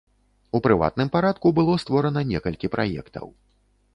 У прыватным парадку было створана некалькі праектаў.